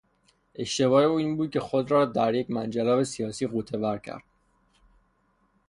اشتباه او این بود که خود را در یک منجلاب سیاسی غوطه ور کرد.